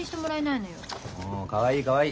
おかわいいかわいい。